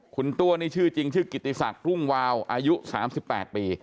คุณตัวนี่ชื่อจริงชื่อกิติศักดิ์รุ่งวาวอายุ๓๘ปี